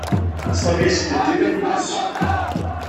Sami yessken-d iman-nnes.